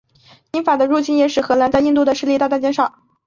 英法的入侵也使荷兰在印度的势力大大减少。